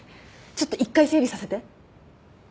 ちょっと一回整理させて。